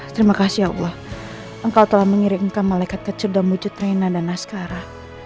terima kasih allah engkau telah mengirimkan malaikat kecerdamu cetrena dan naskara